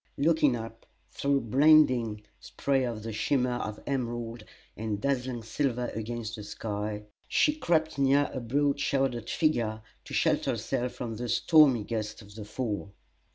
Looking up through blinding spray at the shimmer of emerald and dazzling silver against the sky, she crept near a broad shouldered figure to shelter herself from the stormy gusts of the Fall.